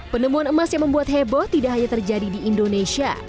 penemuan emas yang membuat heboh tidak hanya terjadi di indonesia